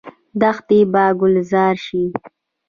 دښتې به ګلزار شي.